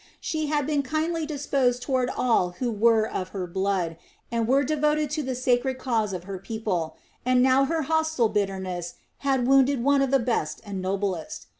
She had been kindly disposed toward all who were of her blood, and were devoted to the sacred cause of her people, and now her hostile bitterness had wounded one of the best and noblest.